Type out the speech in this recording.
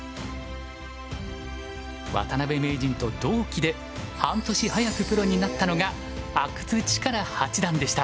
渡辺名人と同期で半年早くプロになったのが阿久津主税八段でした。